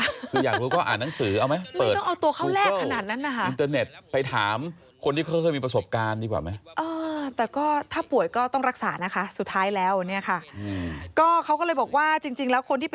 คืออยากรู้ก็อ่านหนังสือเอาไหมเปิดต้องเอาตัวเข้าแรกขนาดนั้นนะคะ